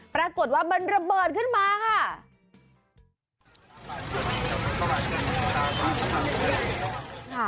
ปรากฏว่ามันระเบิดขึ้นมาค่ะ